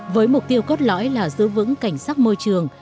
với mục tiêu cốt lõi là giữ vững cảnh sắc môi trường